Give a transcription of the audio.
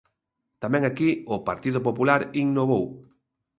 Tamén aquí o Partido Popular innovou.